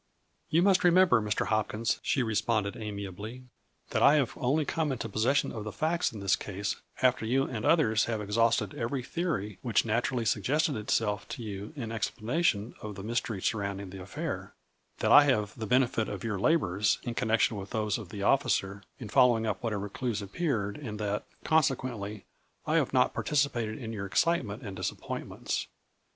" You must remember, Mr. Hopkins," she re sponded, amiably, " that I have only come into possession of the facts in this case after you and others have exhausted every theory which naturally suggested itself to you in explanation of the mystery surrounding the affair; that I have the benefit of your labors, in connection with those of the officer, in following up what ever clues appeared and that, consequently, I have not participated in your excitement and 158 A FLURRY IN DIAMONDS. disappointments.